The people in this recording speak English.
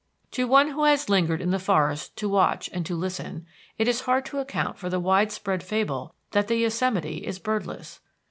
To one who has lingered in the forests to watch and to listen, it is hard to account for the wide spread fable that the Yosemite is birdless.